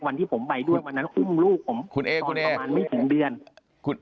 วันที่ผมไปด้วยวันนั้นอุ้มลูกผมคุณเอคนประมาณไม่ถึงเดือน